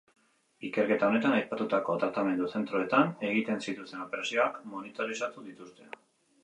Ikerketa honetan, aipatutako tratamendu zentroetan egiten zituzten operazioak monitorizatu dituzte.